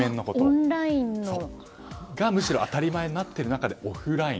オンラインが当たり前になっている中でオフライン。